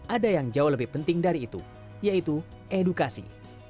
ada yang jauh lebih penting dari itu yaitu edukasi